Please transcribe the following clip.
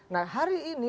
nah hari ini